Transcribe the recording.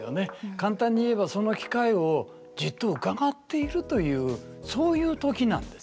簡単に言えばその機会をじっとうかがっているというそういう時なんですね。